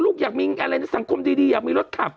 อยากมีอะไรในสังคมดีอยากมีรถขับ